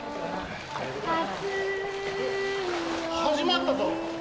・始まったぞ。